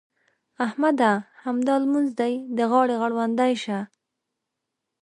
احمده! همدا لمونځ دې د غاړې غړوندی شه.